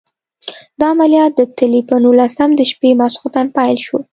دا عملیات د تلې په نولسم د شپې ماخوستن پیل شول.